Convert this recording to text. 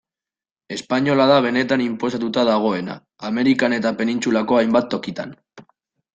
Espainola da benetan inposatuta dagoena, Amerikan eta penintsulako hainbat tokitan.